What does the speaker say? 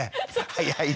早いね。